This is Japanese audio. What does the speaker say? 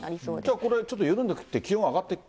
これ、ちょっと緩んできて気温上がってくる？